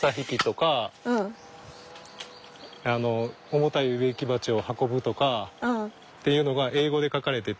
重たい植木鉢を運ぶとかっていうのが英語で書かれてて。